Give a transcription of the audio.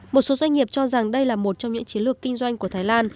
một số doanh nghiệp cho rằng đây là một trong những chiến lược kinh doanh của thái lan